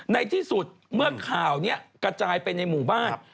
ในที่สุดเมื่อข่าวนี้กระจายไปในหมู่บ้าน